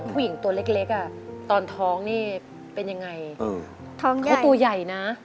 ผู้หญิงตัวเล็กอะตอนท้องนี่เป็นยังไง